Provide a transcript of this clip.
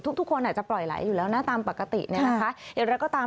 ทุกพูลทุกคนจะปลอไหลอยู่แล้วนะตามปกตินะคะ